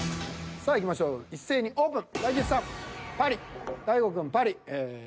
さあいきましょう一斉にオープン。